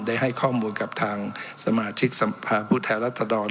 ได้ให้ข้อมูลกับทางสมาชิกสภาพผู้แทนรัศดร